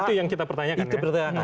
itu yang kita pertanyakan sebenarnya